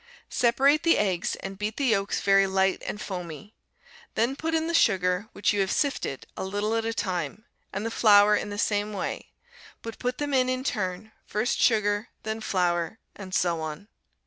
Separate the eggs, and beat the yolks very light and foamy; then put in the sugar which you have sifted, a little at a time, and the flour in the same way, but put them in in turn, first sugar, then flour, and so on.